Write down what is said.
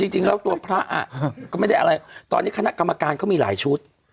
จริงแล้วตัวพระตอนนี้คณะกรรมการเขามีหลายชุด